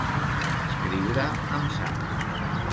Escriure amb sang.